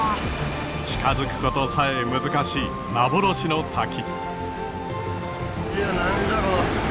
近づくことさえ難しい幻の滝。